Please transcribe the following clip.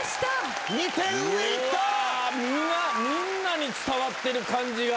みんなに伝わってる感じが。